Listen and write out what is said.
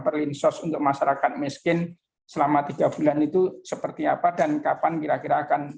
perlinsos untuk masyarakat miskin selama tiga bulan itu seperti apa dan kapan kira kira akan